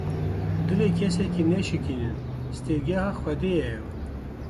Dilê kesekî neşikînin, sitargeha Xwedê ye ew.